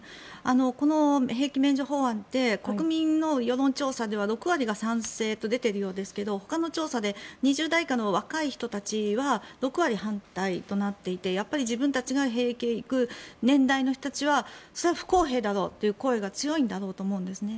この兵役免除法案って国民の世論調査では６割が賛成と出ているようですがほかの調査で２０代以上の若い人たちは６割反対となっていてやっぱり自分たちが兵役へ行く年代の人たちはそれは不公平だろうという声が強いと思うんです。